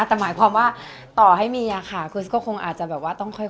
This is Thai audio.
แต่หมายความว่าต่อให้เมียค่ะคริสก็คงอาจจะแบบว่าต้องค่อย